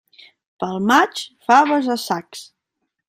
Pel maig, faves a sacs.